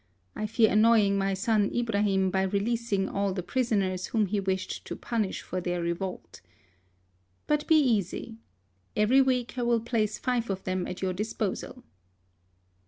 I fear annoy ing my son Ibrahim by releasing all the prisoners whom he wished to punish for their revolt. But be easy. Every week I will place five of them at your disposal."